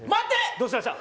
どうしました！？